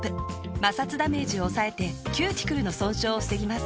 摩擦ダメージを抑えてキューティクルの損傷を防ぎます。